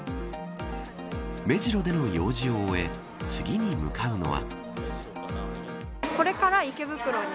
目白での用事を終え次に向かうのは。